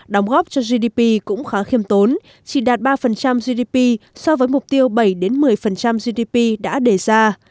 đóng góp cho gdp cũng khá khiêm tốn chỉ đạt ba gdp so với mục tiêu bảy một mươi gdp đã đề ra